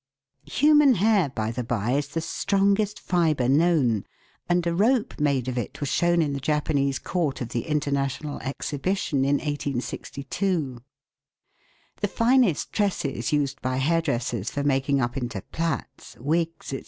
Human hair, by the bye, is the strongest fibre known, and a rope made of it was shown in the Japanese court of the International Exhibition of 1862. The finest tresses used by hairdressers for making up into plaits, wigs, &c.